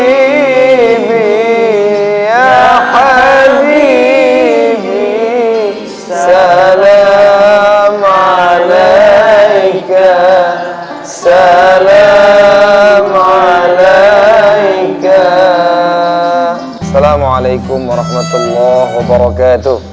ya habib ya habib salam alaika salam alaika salam alaikum warahmatullah wabarakatuh